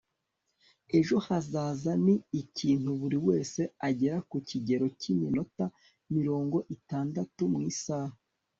ejo hazaza ni ikintu buri wese agera ku kigero cy'iminota mirongo itandatu mu isaha